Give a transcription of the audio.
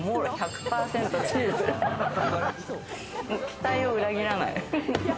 期待を裏切らない。